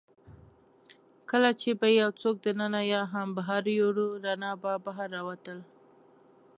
کله چي به يې یوڅوک دننه یا هم بهر یووړ، رڼا به بهر راوتل.